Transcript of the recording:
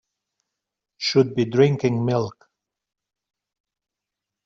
Should be drinking milk.